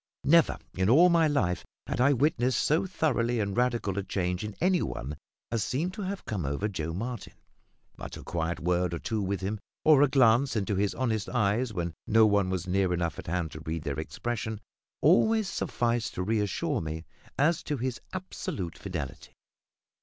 Never in all my life had I witnessed so thorough and radical a change in any one as seemed to have come over Joe Martin. But a quiet word or two with him, or a glance into his honest eyes when no one was near enough at hand to read their expression, always sufficed to reassure me as to his absolute fidelity.